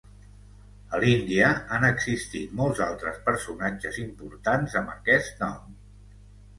A l'Índia han existit molts altres personatges importants amb aquest nom.